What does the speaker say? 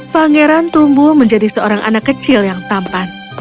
pangeran tumbuh menjadi seorang anak kecil yang tampan